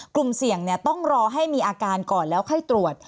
กลุ่มเสียงเนี่ยต้องรอให้มีอาการก่อนแล้วให้ตรวจ